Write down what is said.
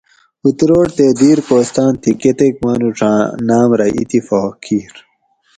اُتروڑ تے دیر کوہستان تھی کۤتیک مانوڄاۤں ناۤم رہ اتفاق کیر